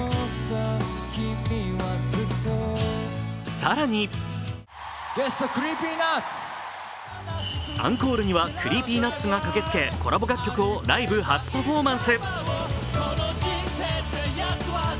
更にアンコールにはＣｒｅｅｐｙＮｕｔｓが駆けつけコラボ楽曲をライブ初パフォーマンス。